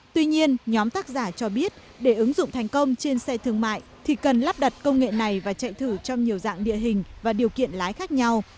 tuy nhiên nhóm tác giả cho biết để ứng dụng thành công trên xe thương mại thì cần lắp đặt công nghệ này và chạy thử trong nhiều dạng địa hình và điều kiện lái khác nhau